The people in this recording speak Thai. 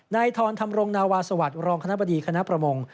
ทรธรรมรงนาวาสวัสดิ์รองคณะบดีคณะประมง